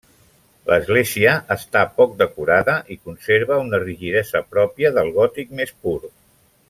L'església està poc decorada i conserva una rigidesa pròpia del gòtic més pur.